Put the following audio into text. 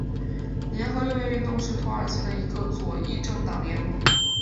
联合六月运动是土耳其的一个左翼政党联盟。